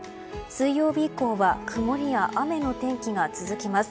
水曜日以降は曇りや雨の天気が続きます。